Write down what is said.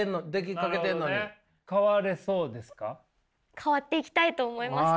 変わっていきたいと思いました。